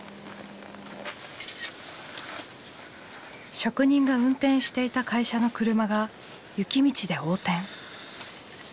職人が運転していた会社の車が雪道で横転。